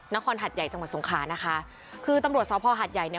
นครหาดใหญ่จังหวัดสงครานนะคะคือตำรวจส่องพ้อหาดใหญ่เนี้ย